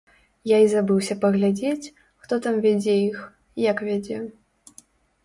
Я і забыўся паглядзець, хто там вядзе іх, як вядзе.